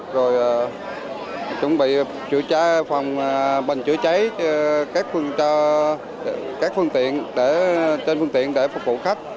rồi chuẩn bị bình chữa cháy các phương tiện trên phương tiện để phục vụ khách